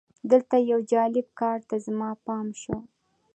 دلته یو جالب کار ته زما پام شو.